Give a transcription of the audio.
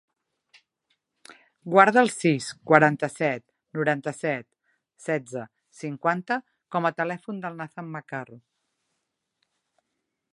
Guarda el sis, quaranta-set, noranta-set, setze, cinquanta com a telèfon del Nathan Macarro.